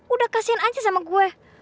udah kasihan aja sama gue